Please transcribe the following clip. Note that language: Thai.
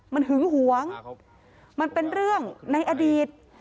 มันหึงหวงมันเป็นเรื่องในอดีต